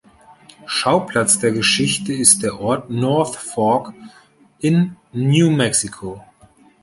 Schauplatz der Geschichte ist der Ort "North Fork" in New Mexico.